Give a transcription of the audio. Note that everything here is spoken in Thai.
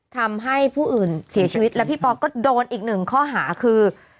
ทำให้ผู้อื่นเสียชีวิตแล้วพี่ปอก็โดนอีกหนึ่งข้อหาคือ